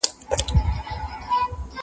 سبزیحات جمع کړه؟!